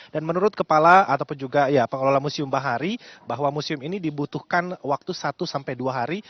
menurut kepala ataupun juga pengelola museum bahari bahwa museum ini dibutuhkan waktu satu sampai dua hari